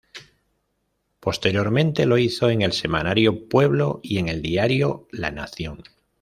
Posteriormente lo hizo en el Semanario Pueblo y en el diario La Nación.